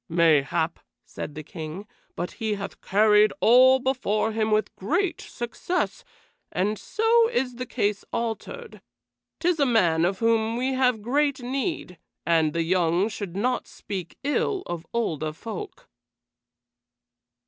"Mayhap," said the King, "but he hath carried all before him with great success, and so is the case altered. 'Tis a man of whom we have great need, and the young should not speak ill of older folk."